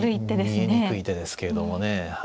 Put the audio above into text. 見えにくい手ですけれどもね。